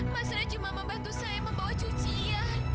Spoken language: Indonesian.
mas ray cuma membantu saya membawa cucinya